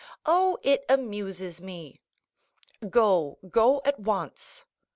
"Oh, it amuses me." "Go—go at once."